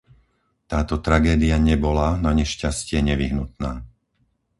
Táto tragédia nebola, nanešťastie, nevyhnutná.